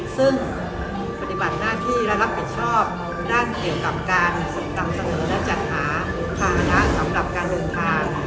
ซึ่งปฏิบัติหน้าที่และรับผิดชอบด้านเกี่ยวกับการนำเสนอและจัดหาภานะสำหรับการเดินทาง